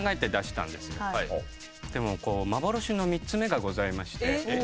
でも幻の３つ目がございまして。